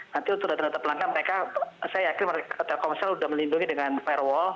nanti untuk data data pelanggan mereka saya yakin mereka telkomsel sudah melindungi dengan fairwall